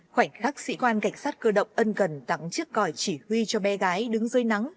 khoảnh khắc sĩ quan cảnh sát cơ động ân cần tắm chiếc còi chỉ huy cho bé gái đứng dưới nắng